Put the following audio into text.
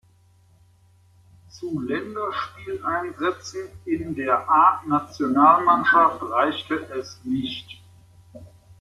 Zu Länderspieleinsätzen in der A-Nationalmannschaft reichte es nicht.